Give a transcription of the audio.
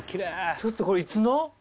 ちょっとこれいつの？